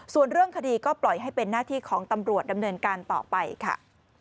ส่วนเรื่องคดีก็ปล่อยให้เป็นหน้าที่ของตำรวจดำเนินการต่อไปค่ะ